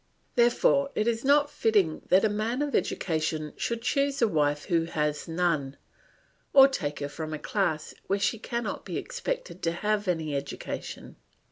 Therefore it is not fitting that a man of education should choose a wife who has none, or take her from a class where she cannot be expected to have any education.